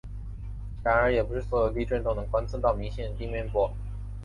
然而也不是所有地震都能观测到明显的表面波。